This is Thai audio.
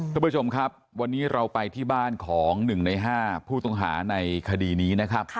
คุณผู้ชมครับวันนี้เราไปที่บ้านของ๑ใน๕ผู้ต้องหาในคดีนี้นะครับ